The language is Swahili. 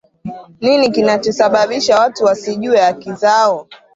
nini kinachosababisha watu wasijue haki zao